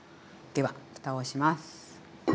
ではふたをします。